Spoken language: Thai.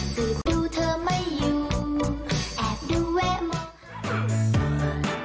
สูตรดูเธอไม่อยู่แอบดูแวะมอง